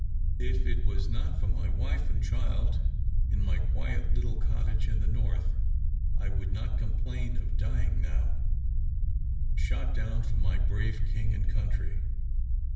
If it was not for my wife and child in my quiet little cottage in the north, I would not complain of dying now, shot down for my brave king and country.